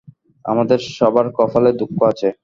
আমাদের সবার কপালে দুঃখ আছে।